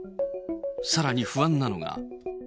さらに不安なのが。